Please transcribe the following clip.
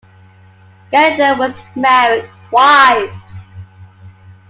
Galindo was married twice.